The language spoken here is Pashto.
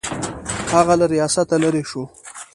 هغه له ریاسته لیرې شو.